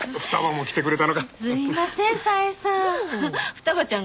二葉ちゃん